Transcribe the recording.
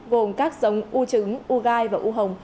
gồm các giống u trứng u gai và u hồng